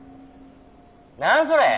何それ。